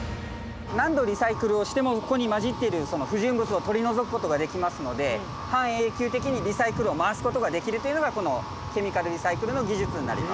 何度リサイクルをしてもここに混じっているその不純物を取り除くことができますので半永久的にリサイクルを回すことができるというのがこのケミカルリサイクルの技術になります。